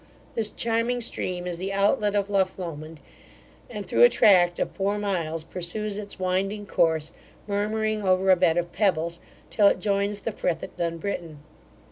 This charming stream is the outlet of Lough Lomond, and through a tract of four miles pursues its winding course, murmuring over a bed of pebbles, till it joins the Frith at Dunbritton.